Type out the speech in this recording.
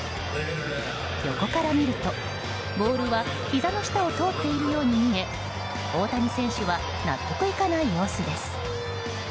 横から見るとボールはひざの下を通っているように見え大谷選手は納得いかない様子です。